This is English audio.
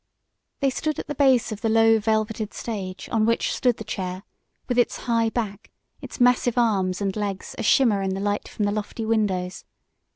They stood at the base of the low, velveted stage on which stood the chair, with its high back, its massive arms and legs ashimmer in the light from the lofty windows.